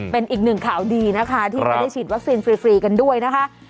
เป็นอีกหนึ่งข่าวดีนะคะที่จะได้ฉีดวัคซีนฟรีกันด้วยนะคะ